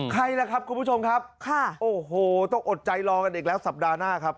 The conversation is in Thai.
ใครล่ะครับคุณผู้ชมครับค่ะโอ้โหต้องอดใจรอกันอีกแล้วสัปดาห์หน้าครับ